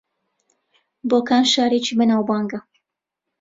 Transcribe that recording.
بۆکان شارێکی بەناوبانگە